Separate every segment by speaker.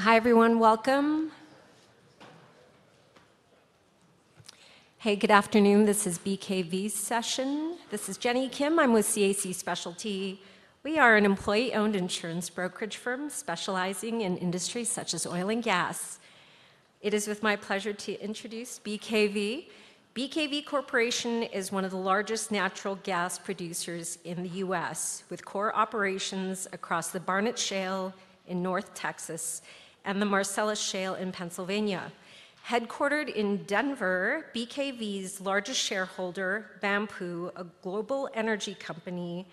Speaker 1: Hi everyone, welcome. Good afternoon, this is BKV's session. This is Jenny Kim, I'm with CAC Specialty. We are an employee-owned insurance brokerage firm specializing in industries such as oil and gas. It is my pleasure to introduce BKV. BKV Corporation is one of the largest natural gas producers in the U.S., with core operations across the Barnett Shale in North Texas and the Marcellus Shale in Pennsylvania. Headquartered in Denver, BKV's largest shareholder, Banpu, a global energy company,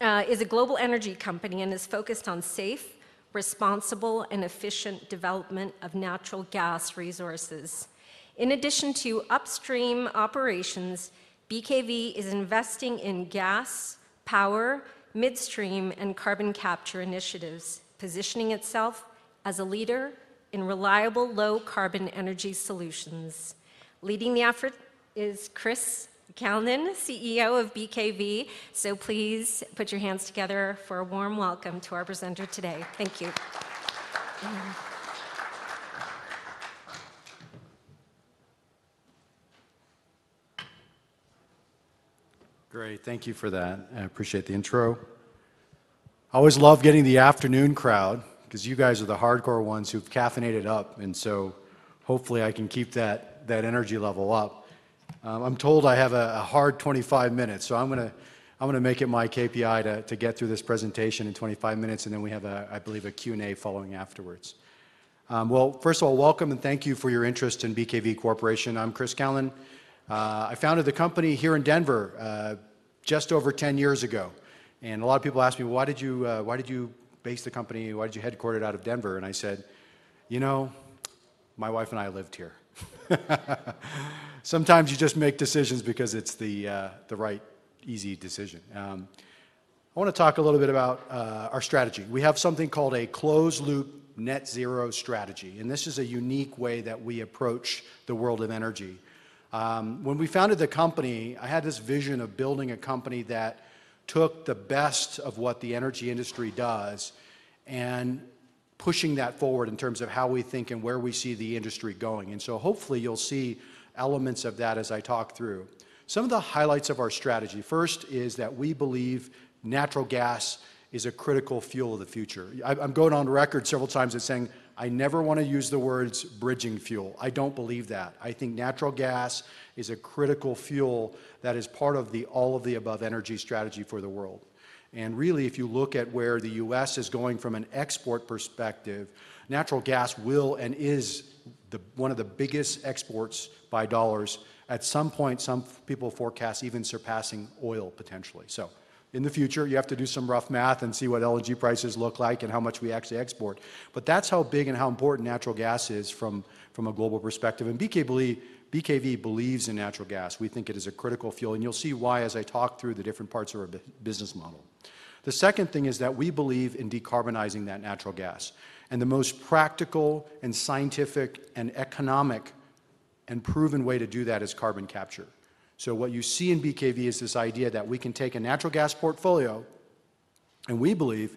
Speaker 1: is focused on safe, responsible, and efficient development of natural gas resources. In addition to upstream operations, BKV is investing in gas, power, midstream, and carbon capture initiatives, positioning itself as a leader in reliable low-carbon energy solutions. Leading the effort is Chris Kalnin, CEO of BKV, so please put your hands together for a warm welcome to our presenter today. Thank you.
Speaker 2: Great, thank you for that. I appreciate the intro. I always love getting the afternoon crowd because you guys are the hardcore ones who've caffeinated up, and hopefully I can keep that energy level up. I'm told I have a hard 25 minutes, so I'm going to make it my KPI to get through this presentation in 25 minutes, and then we have a Q&A following afterwards. First of all, welcome and thank you for your interest in BKV Corporation. I'm Chris Kalnin. I founded the company here in Denver just over 10 years ago, and a lot of people ask me, why did you base the company, why did you headquarter it out of Denver? I said, you know, my wife and I lived here. Sometimes you just make decisions because it's the right, easy decision. I want to talk a little bit about our strategy. We have something called a closed loop, net-zero strategy, and this is a unique way that we approach the world of energy. When we founded the company, I had this vision of building a company that took the best of what the energy industry does and pushing that forward in terms of how we think and where we see the industry going. Hopefully you'll see elements of that as I talk through. Some of the highlights of our strategy. First is that we believe natural gas is a critical fuel of the future. I'm going on record several times and saying I never want to use the words bridging fuel. I don't believe that. I think natural gas is a critical fuel that is part of the all-of-the-above energy strategy for the world. If you look at where the U.S. is going from an export perspective, natural gas will and is one of the biggest exports by dollars. At some point, some people forecast even surpassing oil potentially. In the future, you have to do some rough math and see what LNG prices look like and how much we actually export. That's how big and how important natural gas is from a global perspective. BKV believes in natural gas. We think it is a critical fuel, and you'll see why as I talk through the different parts of our business model. The second thing is that we believe in decarbonizing that natural gas. The most practical and scientific and economic and proven way to do that is carbon capture. What you see in BKV is this idea that we can take a natural gas portfolio and we believe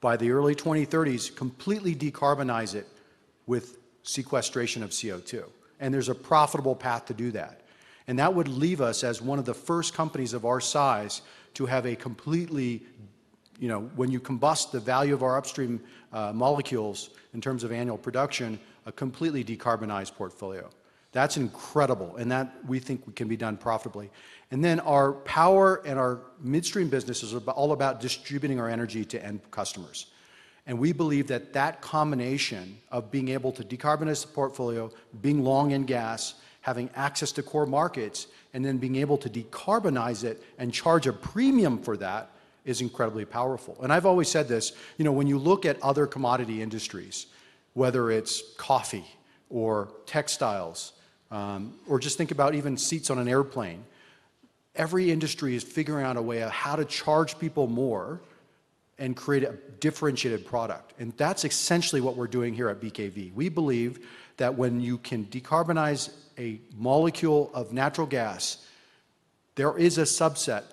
Speaker 2: by the early 2030s, completely decarbonize it with sequestration of CO2. There's a profitable path to do that. That would leave us as one of the first companies of our size to have a completely, you know, when you combust the value of our upstream molecules in terms of annual production, a completely decarbonized portfolio. That's incredible. We think that can be done profitably. Our power and our midstream business is all about distributing our energy to end customers. We believe that combination of being able to decarbonize the portfolio, being long in gas, having access to core markets, and then being able to decarbonize it and charge a premium for that is incredibly powerful. I've always said this, you know, when you look at other commodity industries, whether it's coffee or textiles, or just think about even seats on an airplane, every industry is figuring out a way of how to charge people more and create a differentiated product. That's essentially what we're doing here at BKV. We believe that when you can decarbonize a molecule of natural gas, there is a subset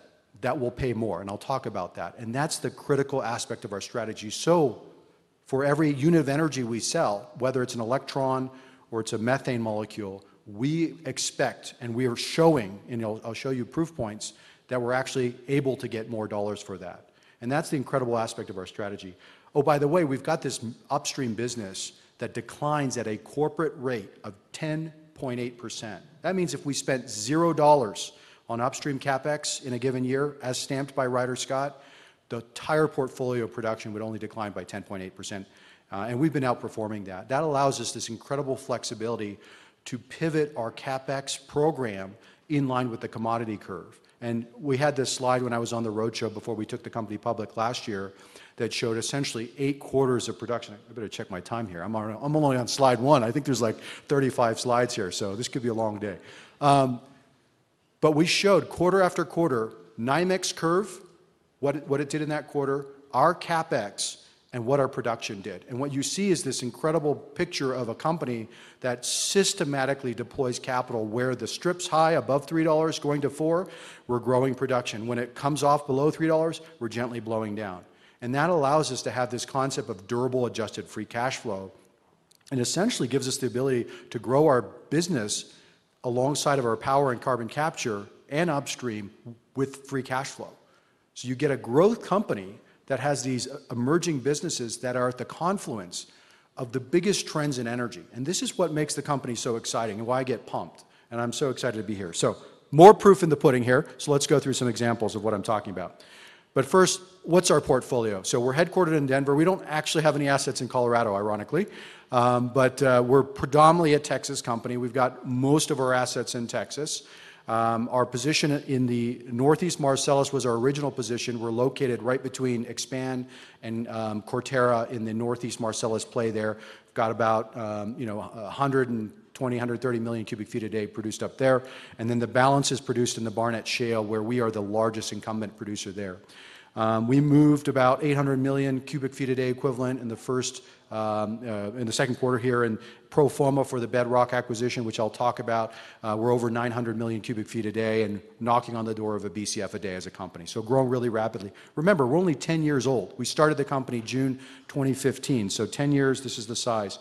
Speaker 2: that will pay more, and I'll talk about that. That's the critical aspect of our strategy. For every unit of energy we sell, whether it's an electron or it's a methane molecule, we expect, and we are showing, and I'll show you proof points, that we're actually able to get more dollars for that. That's the incredible aspect of our strategy. By the way, we've got this upstream business that declines at a corporate rate of 10.8%. That means if we spent $0 on upstream CapEx in a given year, as stamped by Ryder Scott, the entire portfolio production would only decline by 10.8%. We've been outperforming that. That allows us this incredible flexibility to pivot our CapEx program in line with the commodity curve. We had this slide when I was on the roadshow before we took the company public last year that showed essentially eight quarters of production. I better check my time here. I'm only on slide one. I think there's like 35 slides here, so this could be a long day. We showed quarter after quarter, 9x curve, what it did in that quarter, our CapEx, and what our production did. What you see is this incredible picture of a company that systematically deploys capital where the strip's high, above $3 going to $4, we're growing production. When it comes off below $3, we're gently blowing down. That allows us to have this concept of durable adjusted free cash flow and essentially gives us the ability to grow our business alongside our power generation and carbon capture and upstream with free cash flow. You get a growth company that has these emerging businesses that are at the confluence of the biggest trends in energy. This is what makes the company so exciting and why I get pumped. I'm so excited to be here. More proof in the pudding here. Let's go through some examples of what I'm talking about. First, what's our portfolio? We're headquartered in Denver. We don't actually have any assets in Colorado, ironically, but we're predominantly a Texas company. We've got most of our assets in Texas. Our position in the Northeast Marcellus was our original position. We're located right between Expand and Coterra in the Northeast Marcellus play there. We've got about 120 million cu ft, 130 million cu ft a day produced up there. The balance is produced in the Barnett Shale, where we are the largest incumbent producer. We moved about 800 million cu ft a day equivalent in the second quarter here and pro forma for the Bedrock acquisition, which I'll talk about, we're over 900 million cu ft a day and knocking on the door of a BCF a day as a company. Growing really rapidly. Remember, we're only 10 years old. We started the company June 2015. Ten years, this is the size.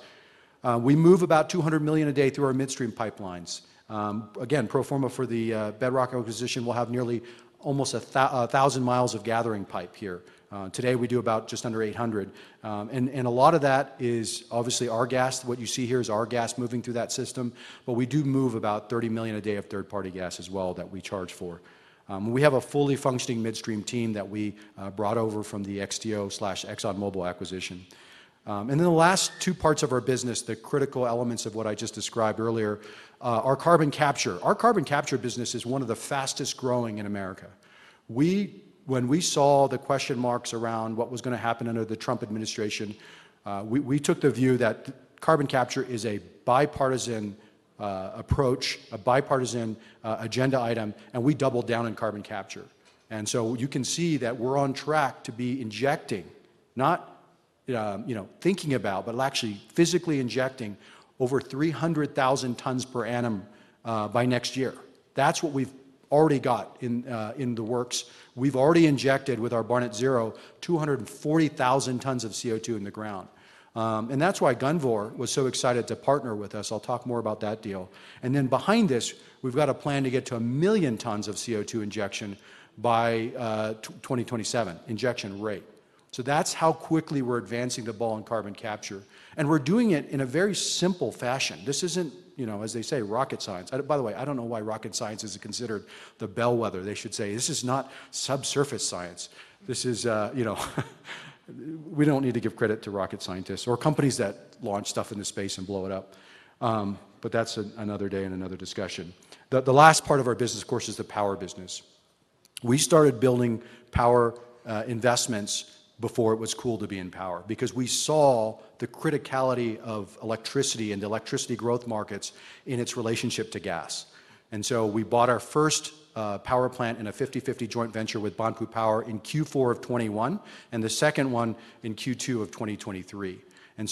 Speaker 2: We move about 200 million cu ft a day through our midstream pipelines. Again, pro forma for the Bedrock acquisition, we'll have nearly almost 1,000 mi of gathering pipe here. Today we do just under 800 mi, and a lot of that is obviously our gas. What you see here is our gas moving through that system. We do move about 30 million cu ft a day of third-party gas as well that we charge for. We have a fully functioning midstream team that we brought over from the XTO/ExxonMobil acquisition. The last two parts of our business, the critical elements of what I just described earlier, are carbon capture. Our carbon capture business is one of the fastest growing in America. When we saw the question marks around what was going to happen under the Trump administration, we took the view that carbon capture is a bipartisan approach, a bipartisan agenda item, and we doubled down in carbon capture. You can see that we're on track to be injecting, not, you know, thinking about, but actually physically injecting over 300,000 tons per annum by next year. That's what we've already got in the works. We've already injected with our Barnett Zero 240,000 tons of CO2 in the ground. That's why Gunvor was so excited to partner with us. I'll talk more about that deal. Behind this, we've got a plan to get to 1 million tons of CO2 injection by 2027, injection rate. That's how quickly we're advancing the ball in carbon capture. We're doing it in a very simple fashion. This isn't, you know, as they say, rocket science. By the way, I don't know why rocket science is considered the bellwether. They should say this is not subsurface science. We don't need to give credit to rocket scientists or companies that launch stuff into space and blow it up. That's another day and another discussion. The last part of our business, of course, is the power business. We started building power investments before it was cool to be in power because we saw the criticality of electricity and electricity growth markets in its relationship to gas. We bought our first power plant in a 50-50 joint venture with Banpu Power in Q4 of 2021, and the second one in Q2 of 2023.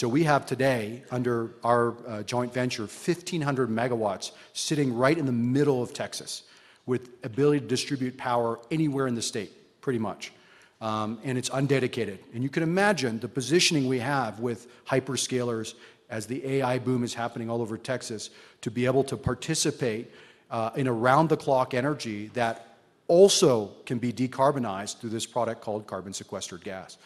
Speaker 2: We have today, under our joint venture, 1,500 MW sitting right in the middle of Texas with the ability to distribute power anywhere in the state, pretty much, and it's undedicated. You can imagine the positioning we have with hyperscalers as the AI boom is happening all over Texas, to be able to participate in around-the-clock energy that also can be decarbonized through this product called carbon sequestered gas.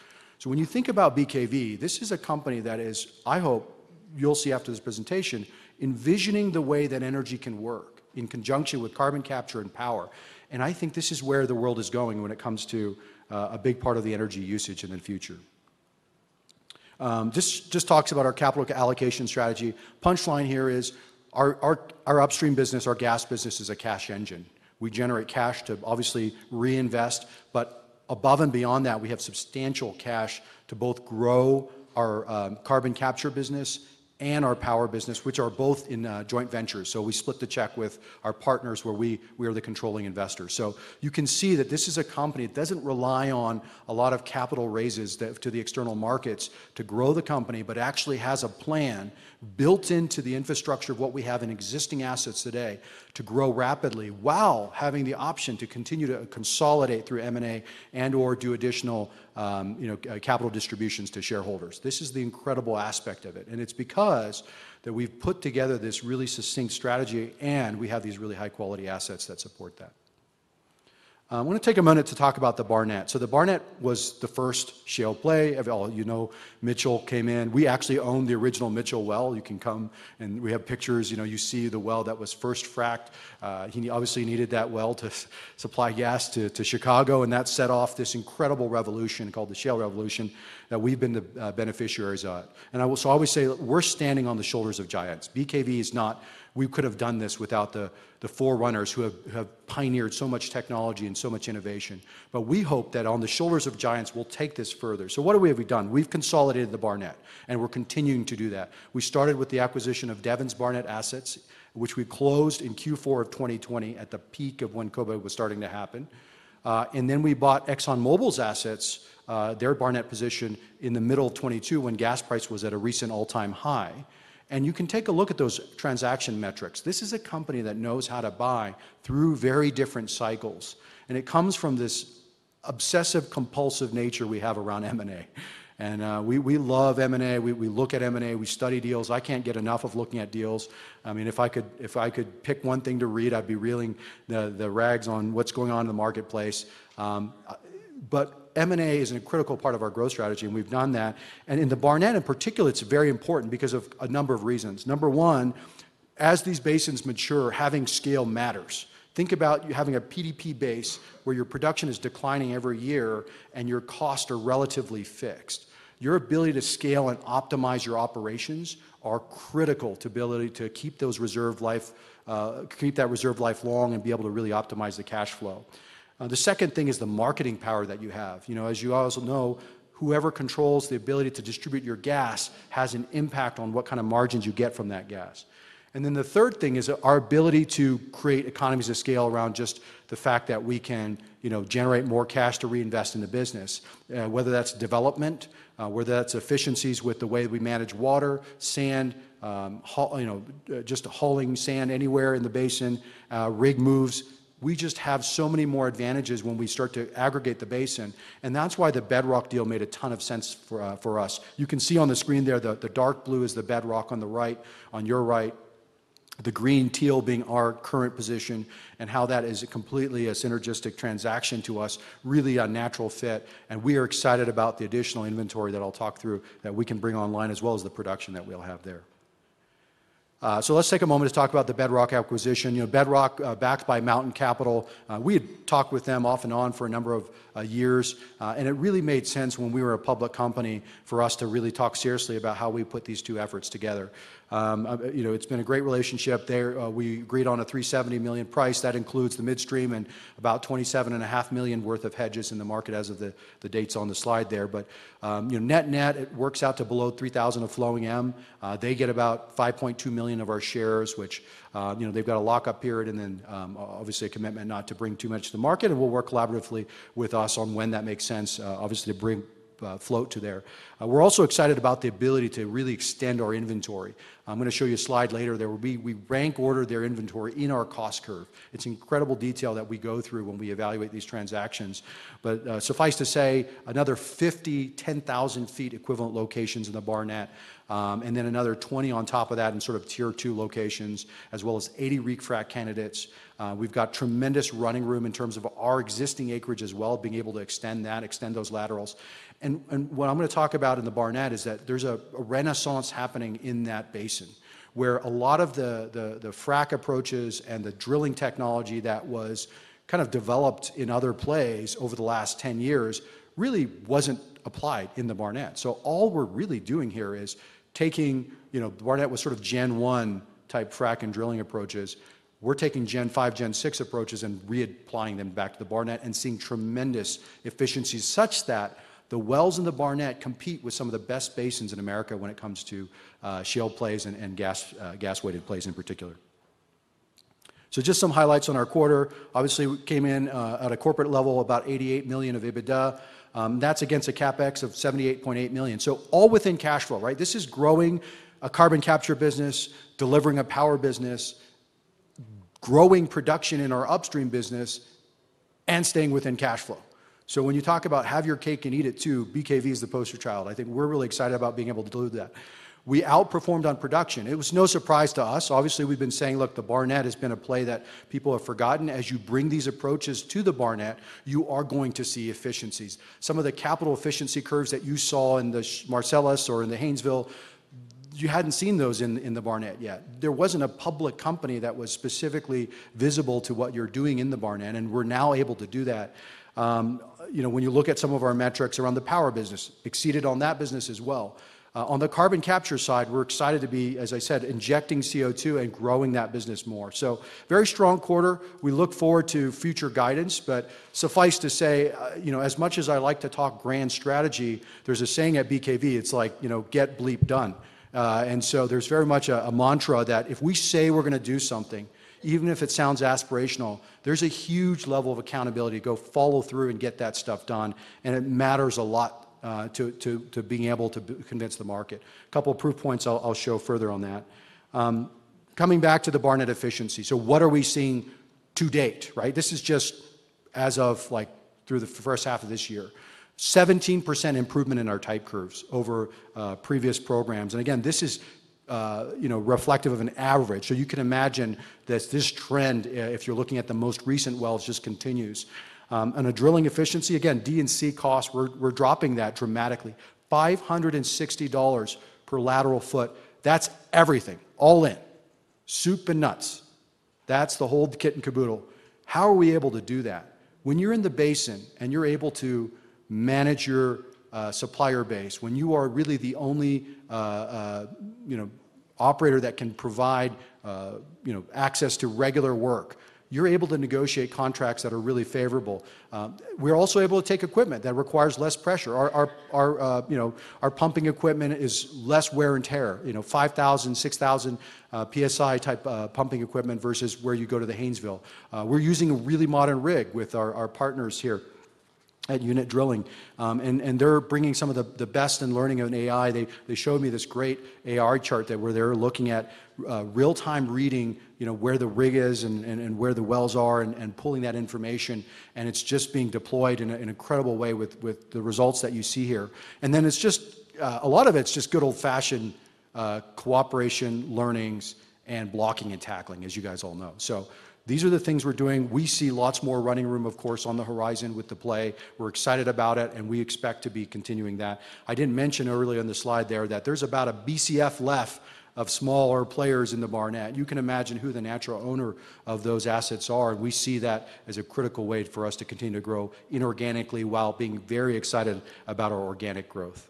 Speaker 2: When you think about BKV, this is a company that, I hope you'll see after this presentation, envisions the way that energy can work in conjunction with carbon capture and power. I think this is where the world is going when it comes to a big part of the energy usage in the future. This just talks about our capital allocation strategy. Punchline here is our upstream business, our gas business is a cash engine. We generate cash to obviously reinvest, but above and beyond that, we have substantial cash to both grow our carbon capture business and our power business, which are both in joint ventures. We split the check with our partners where we are the controlling investors. You can see that this is a company that doesn't rely on a lot of capital raises to the external markets to grow the company, but actually has a plan built into the infrastructure of what we have in existing assets today to grow rapidly while having the option to continue to consolidate through M&A and/or do additional capital distributions to shareholders. This is the incredible aspect of it. It's because we've put together this really succinct strategy and we have these really high-quality assets that support that. I want to take a moment to talk about the Barnett. The Barnett was the first shale play of all, you know, Mitchell came in. We actually owned the original Mitchell well. You can come and we have pictures, you see the well that was first fracked. He obviously needed that well to supply gas to Chicago, and that set off this incredible revolution called the Shale Revolution that we've been the beneficiaries of. I will always say we're standing on the shoulders of giants. BKV is not, we could have done this without the forerunners who have pioneered so much technology and so much innovation. We hope that on the shoulders of giants, we'll take this further. What have we done? We've consolidated the Barnett, and we're continuing to do that. We started with the acquisition of Devon's Barnett assets, which we closed in Q4 of 2020 at the peak of when COVID was starting to happen. Then we bought ExxonMobil's assets, their Barnett position in the middle of 2022 when gas price was at a recent all-time high. You can take a look at those transaction metrics. This is a company that knows how to buy through very different cycles. It comes from this obsessive-compulsive nature we have around M&A. We love M&A. We look at M&A. We study deals. I can't get enough of looking at deals. If I could pick one thing to read, I'd be reeling the rags on what's going on in the marketplace. M&A is a critical part of our growth strategy, and we've done that. In the Barnett in particular, it's very important because of a number of reasons. Number one, as these basins mature, having scale matters. Think about you having a PDP base where your production is declining every year and your costs are relatively fixed. Your ability to scale and optimize your operations are critical to the ability to keep that reserve life long and be able to really optimize the cash flow. The second thing is the marketing power that you have. You know, as you also know, whoever controls the ability to distribute your gas has an impact on what kind of margins you get from that gas. The third thing is our ability to create economies of scale around just the fact that we can, you know, generate more cash to reinvest in the business, whether that's development, whether that's efficiencies with the way we manage water, sand, you know, just hauling sand anywhere in the basin, rig moves. We just have so many more advantages when we start to aggregate the basin. That is why the Bedrock deal made a ton of sense for us. You can see on the screen there, the dark blue is the Bedrock on the right, on your right, the green teal being our current position and how that is completely a synergistic transaction to us, really a natural fit. We are excited about the additional inventory that I'll talk through that we can bring online as well as the production that we'll have there. Let's take a moment to talk about the Bedrock acquisition. You know, Bedrock backed by Mountain Capital. We had talked with them off and on for a number of years, and it really made sense when we were a public company for us to really talk seriously about how we put these two efforts together. It's been a great relationship there. We agreed on a $370 million price that includes the midstream and about $27.5 million worth of hedges in the market as of the dates on the slide there. Net net, it works out to below $3,000 of flowing M. They get about 5.2 million of our shares, which, you know, they've got a lockup period and then obviously a commitment not to bring too much to the market. We'll work collaboratively with us on when that makes sense, obviously to bring float to there. We're also excited about the ability to really extend our inventory. I'm going to show you a slide later there. We rank order their inventory in our cost curve. It's the incredible detail that we go through when we evaluate these transactions. Suffice to say, another 50, 10,000 ft equivalent locations in the Barnett, and then another 20 on top of that in sort of tier two locations, as well as 80 reef frac candidates. We've got tremendous running room in terms of our existing acreage as well, being able to extend that, extend those laterals. What I'm going to talk about in the Barnett is that there's a renaissance happening in that basin, where a lot of the frac approaches and the drilling technology that was kind of developed in other plays over the last 10 years really wasn't applied in the Barnett. All we're really doing here is taking, you know, the Barnett was sort of gen 1 type frac and drilling approaches. We're taking gen 5, gen 6 approaches and reapplying them back to the Barnett and seeing tremendous efficiencies such that the wells in the Barnett compete with some of the best basins in America when it comes to shale plays and gas weighted plays in particular. Just some highlights on our quarter. Obviously, we came in at a corporate level at about $88 million of EBITDA. That's against a CapEx of $78.8 million, all within cash flow, right? This is growing a carbon capture business, delivering a power business, growing production in our upstream business, and staying within cash flow. When you talk about have your cake and eat it too, BKV is the poster child. I think we're really excited about being able to do that. We outperformed on production. It was no surprise to us. We've been saying, look, the Barnett has been a play that people have forgotten. As you bring these approaches to the Barnett, you are going to see efficiencies. Some of the capital efficiency curves that you saw in the Marcellus or in the Haynesville, you hadn't seen those in the Barnett yet. There wasn't a public company that was specifically visible to what you're doing in the Barnett, and we're now able to do that. When you look at some of our metrics around the power business, exceeded on that business as well. On the carbon capture side, we're excited to be, as I said, injecting CO2 and growing that business more. Very strong quarter. We look forward to future guidance, but suffice to say, as much as I like to talk grand strategy, there's a saying at BKV, it's like, you know, get shit done. There's very much a mantra that if we say we're going to do something, even if it sounds aspirational, there's a huge level of accountability to go follow through and get that stuff done. It matters a lot to being able to convince the market. A couple of proof points I'll show further on that. Coming back to the Barnett efficiency. What are we seeing to date, right? This is just as of like through the first half of this year, 17% improvement in our type curves over previous programs. Again, this is, you know, reflective of an average. You can imagine that this trend, if you're looking at the most recent wells, just continues. A drilling efficiency, again, DNC cost, we're dropping that dramatically. $560 per lateral ft. That's everything, all in. Soup and nuts. That's the whole kit and caboodle. How are we able to do that? When you're in the basin and you're able to manage your supplier base, when you are really the only, you know, operator that can provide, you know, access to regular work, you're able to negotiate contracts that are really favorable. We're also able to take equipment that requires less pressure. Our, you know, our pumping equipment has less wear and tear. You know, 5,000 PSI, 6,000 PSI type pumping equipment versus where you go to the Haynesville. We're using a really modern rig with our partners here at Unit Drilling. They're bringing some of the best and learning about AI. They showed me this great AR chart that we're there looking at real-time reading, you know, where the rig is and where the wells are and pulling that information. It's just being deployed in an incredible way with the results that you see here. A lot of it's just good old-fashioned cooperation, learnings, and blocking and tackling, as you guys all know. These are the things we're doing. We see lots more running room, of course, on the horizon with the play. We're excited about it, and we expect to be continuing that. I didn't mention earlier on the slide there that there's about a BCF left of smaller players in the Barnett. You can imagine who the natural owner of those assets are. We see that as a critical way for us to continue to grow inorganically while being very excited about our organic growth.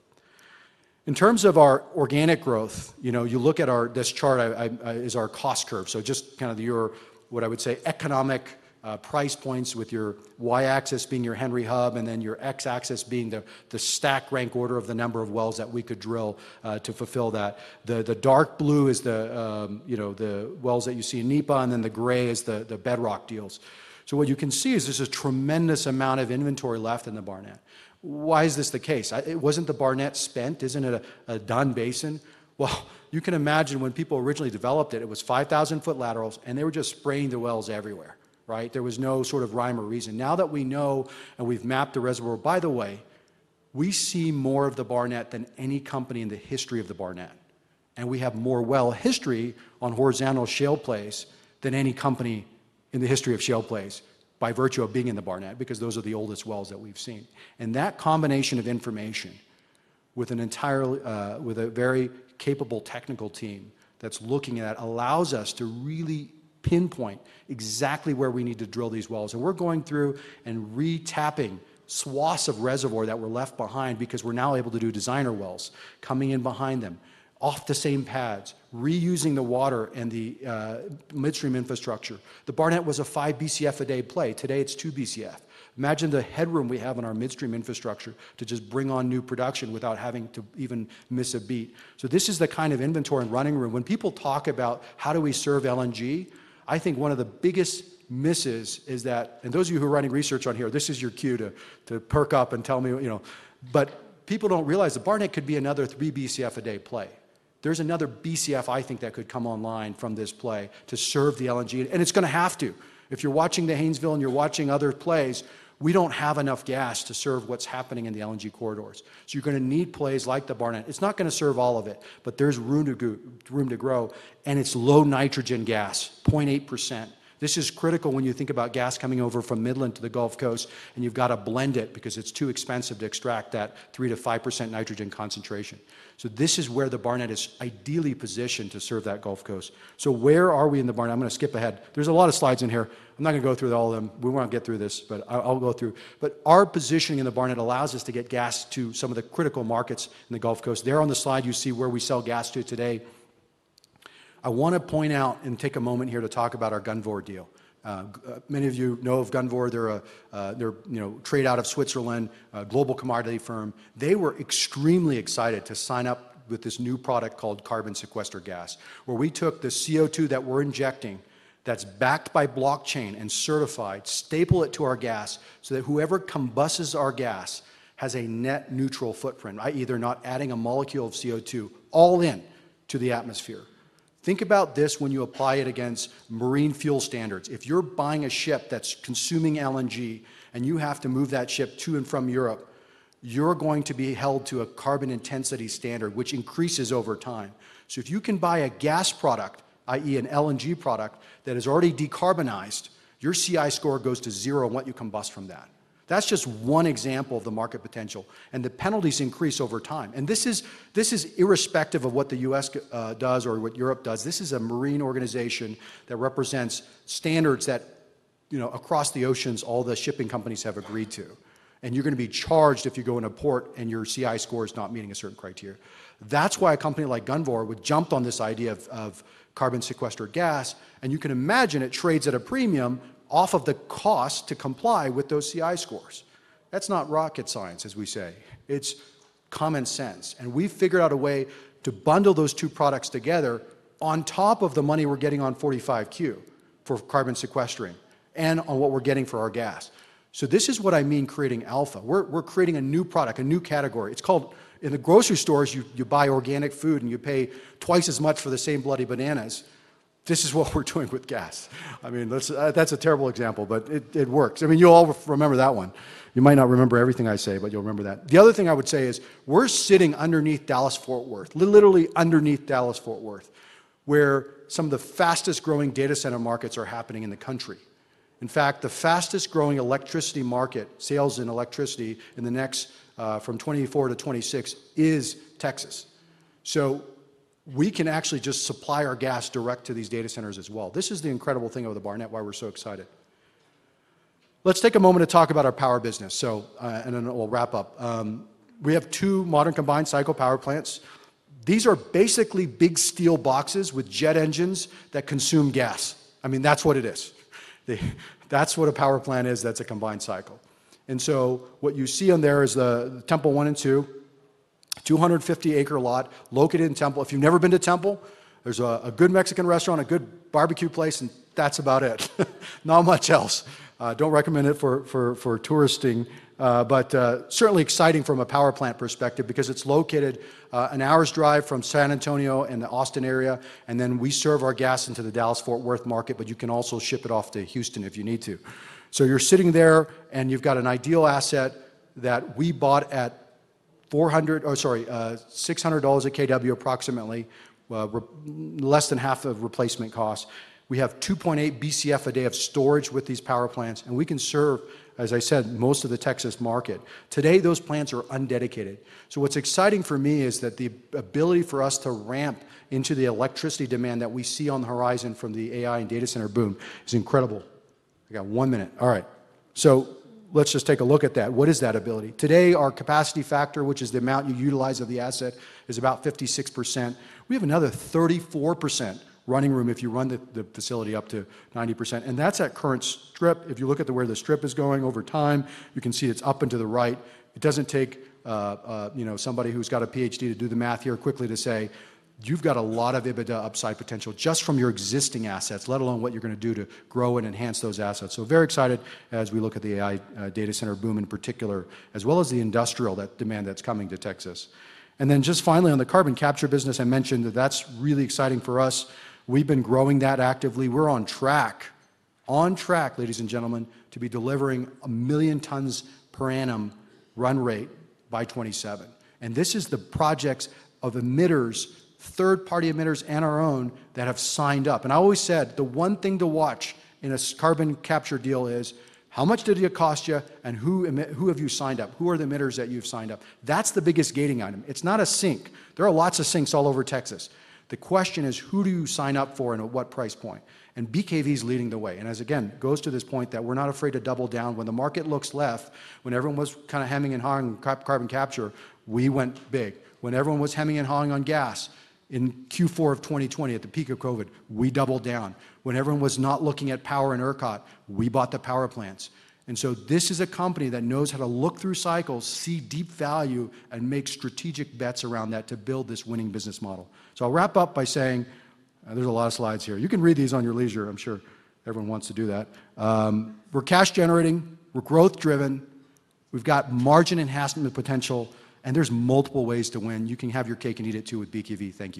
Speaker 2: In terms of our organic growth, you know, you look at this chart is our cost curve. Just kind of your, what I would say, economic price points with your Y-axis being your Henry Hub and then your X-axis being the stack rank order of the number of wells that we could drill to fulfill that. The dark blue is the, you know, the wells that you see in NEPA, and then the gray is the Bedrock deals. What you can see is there's a tremendous amount of inventory left in the Barnett. Why is this the case? Wasn't the Barnett spent? Isn't it a done basin? You can imagine when people originally developed it, it was 5,000 ft laterals, and they were just spraying the wells everywhere, right? There was no sort of rhyme or reason. Now that we know and we've mapped the reservoir, by the way, we see more of the Barnett than any company in the history of the Barnett. We have more well history on horizontal shale plays than any company in the history of shale plays by virtue of being in the Barnett because those are the oldest wells that we've seen. That combination of information with a very capable technical team that's looking at it allows us to really pinpoint exactly where we need to drill these wells. We're going through and retapping swaths of reservoir that were left behind because we're now able to do designer wells coming in behind them off the same pads, reusing the water and the midstream infrastructure. The Barnett was a 5 BCF a day play. Today it's 2 BCF. Imagine the headroom we have in our midstream infrastructure to just bring on new production without having to even miss a beat. This is the kind of inventory and running room. When people talk about how do we serve LNG, I think one of the biggest misses is that, and those of you who are running research on here, this is your cue to perk up and tell me, you know, but people don't realize the Barnett could be another 3 BCF a day play. There's another BCF I think that could come online from this play to serve the LNG, and it's going to have to. If you're watching the Hainsville and you're watching other plays, we don't have enough gas to serve what's happening in the LNG corridors. You're going to need plays like the Barnett. It's not going to serve all of it, but there's room to grow. It's low nitrogen gas, 0.8%. This is critical when you think about gas coming over from Midland to the Gulf Coast, and you've got to blend it because it's too expensive to extract that 3%- 5% nitrogen concentration. This is where the Barnett is ideally positioned to serve that Gulf Coast. Where are we in the Barnett? I'm going to skip ahead. There's a lot of slides in here. I'm not going to go through all of them. We won't get through this, but I'll go through. Our positioning in the Barnett allows us to get gas to some of the critical markets in the Gulf Coast. There on the slide, you see where we sell gas to today. I want to point out and take a moment here to talk about our Gunvor deal. Many of you know of Gunvor. They're a trader out of Switzerland, a global commodity firm. They were extremely excited to sign up with this new product called carbon sequestered gas, where we took the CO2 that we're injecting that's backed by blockchain and certified, staple it to our gas so that whoever combusts our gas has a net neutral footprint, either not adding a molecule of CO2 all into the atmosphere. Think about this when you apply it against marine fuel standards. If you're buying a ship that's consuming LNG and you have to move that ship to and from Europe, you're going to be held to a carbon intensity standard, which increases over time. If you can buy a gas product, i.e. an LNG product that is already decarbonized, your CI score goes to zero on what you combust from that. That's just one example of the market potential. The penalties increase over time. This is irrespective of what the U.S. does or what Europe does. This is a marine organization that represents standards that, you know, across the oceans, all the shipping companies have agreed to. You're going to be charged if you go in a port and your CI score is not meeting a certain criteria. That's why a company like Gunvor would jump on this idea of carbon sequestered gas. You can imagine it trades at a premium off of the cost to comply with those CI scores. That's not rocket science, as we say. It's common sense. We've figured out a way to bundle those two products together on top of the money we're getting on 45Q for carbon sequestering and on what we're getting for our gas. This is what I mean creating alpha. We're creating a new product, a new category. It's called in the grocery stores, you buy organic food and you pay twice as much for the same bloody bananas. This is what we're doing with gas. I mean, that's a terrible example, but it works. You all remember that one. You might not remember everything I say, but you'll remember that. The other thing I would say is we're sitting underneath Dallas Fort Worth, literally underneath Dallas Fort Worth, where some of the fastest growing data center markets are happening in the country. In fact, the fastest growing electricity market, sales in electricity in the next from 2024 to 2026, is Texas. We can actually just supply our gas direct to these data centers as well. This is the incredible thing of the Barnett, why we're so excited. Let's take a moment to talk about our power business. We have two modern combined cycle power plants. These are basically big steel boxes with jet engines that consume gas. I mean, that's what it is. That's what a power plant is that's a combined cycle. What you see on there is the Temple 1 and 2, 250-acre lot located in Temple. If you've never been to Temple, there's a good Mexican restaurant, a good barbecue place, and that's about it. Not much else. I don't recommend it for touristing, but certainly exciting from a power plant perspective because it's located an hour's drive from San Antonio and the Austin area. We serve our gas into the Dallas Fort Worth market, but you can also ship it off to Houston if you need to. You're sitting there and you've got an ideal asset that we bought at $600 a KW approximately, less than half of replacement costs. We have 2.8 BCF a day of storage with these power plants, and we can serve, as I said, most of the Texas market. Today, those plants are undedicated. What's exciting for me is that the ability for us to ramp into the electricity demand that we see on the horizon from the AI-driven data center boom is incredible. I got one minute. All right. Let's just take a look at that. What is that ability? Today, our capacity factor, which is the amount you utilize of the asset, is about 56%. We have another 34% running room if you run the facility up to 90%. That's at current strip. If you look at where the strip is going over time, you can see it's up and to the right. It doesn't take, you know, somebody who's got a PhD. to do the math here quickly to say you've got a lot of EBITDA upside potential just from your existing assets, let alone what you're going to do to grow and enhance those assets. Very excited as we look at the AI-driven data center boom in particular, as well as the industrial demand that's coming to Texas. Finally, on the carbon capture business, I mentioned that that's really exciting for us. We've been growing that actively. We're on track, ladies and gentlemen, to be delivering 1 million tons per annum run rate by 2027. This is the projects of emitters, third-party emitters and our own that have signed up. I always said the one thing to watch in a carbon capture deal is how much did it cost you and who have you signed up. Who are the emitters that you've signed up? That's the biggest gating item. It's not a sink. There are lots of sinks all over Texas. The question is who do you sign up for and at what price point? BKV is leading the way. It goes to this point that we're not afraid to double down when the market looks left. When everyone was kind of hemming and hawing carbon capture, we went big. When everyone was hemming and hawing on gas in Q4 2020 at the peak of COVID, we doubled down. When everyone was not looking at power and ERCOT, we bought the power plants. This is a company that knows how to look through cycles, see deep value, and make strategic bets around that to build this winning business model. I'll wrap up by saying there's a lot of slides here. You can read these at your leisure. I'm sure everyone wants to do that. We're cash generating. We're growth-driven. We've got margin enhancement potential, and there's multiple ways to win. You can have your cake and eat it too with BKV, thank you.